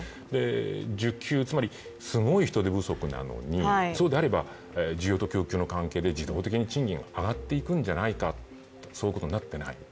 需給、つまりすごい人手不足なのにそうであれば需要と供給の関係で自動的に賃金が上がっていくんじゃないか、そういうことになっていない。